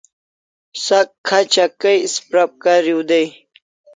Sak khacha kay isprap kariu day